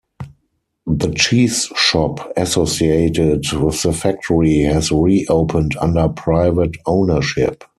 The cheese shop associated with the factory has re-opened under private ownership.